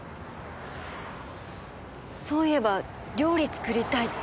そういえば料理作りたいって。